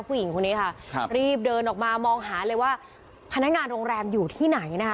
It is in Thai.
ผู้หญิงคนนี้ค่ะครับรีบเดินออกมามองหาเลยว่าพนักงานโรงแรมอยู่ที่ไหนนะคะ